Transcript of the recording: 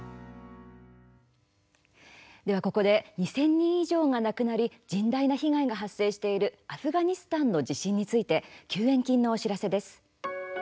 では、ここで２０００人以上が亡くなり甚大な被害が発生しているアフガニスタンの地震について救援金のお知らせです。